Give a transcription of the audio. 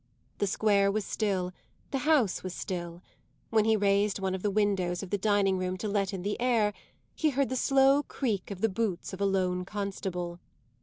The square was still, the house was still; when he raised one of the windows of the dining room to let in the air he heard the slow creak of the boots of a lone constable.